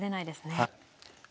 はい。